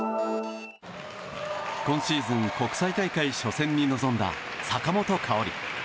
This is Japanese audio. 今シーズン国際大会初戦に臨んだ、坂本花織。